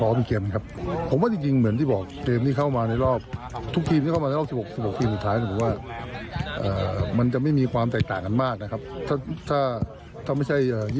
แล้วก็เอาข้อดีจากเกมแรกมาปรับใช้ในเกมที่จะเติมมาเลเซีย